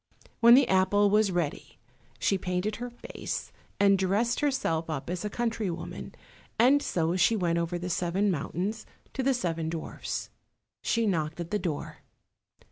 When the apple was ready she painted her face, and dressed herself up as a country woman, and so she went over the seven mountains to the seven dwarfs. She knocked at the door.